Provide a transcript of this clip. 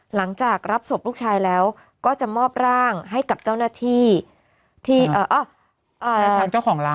หลังจากรับศพลูกชายแล้วก็จะมอบร่างให้กับเจ้าหน้าที่ที่ทางเจ้าของร้าน